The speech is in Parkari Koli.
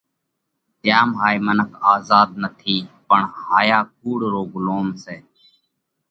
تيام هائي منک آزاڌ نٿِي پڻ هايا ڪُوڙ را ڳُلوم سئہ۔